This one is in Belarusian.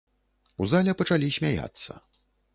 У зале пачалі смяяцца.